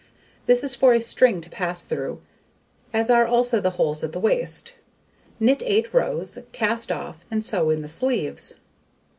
This is for a string to pass through, as are also the holes at the waist. Knit 8 rows, cast off, and sew in the sleeves.